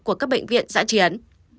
của các bệnh viện giã chiến